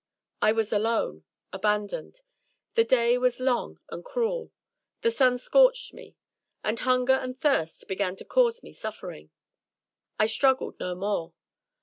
I was alone; abandoned. The day was long and cruel. The sun scorched me, and hunger and thirst began to cause me suffering. I struggled no more.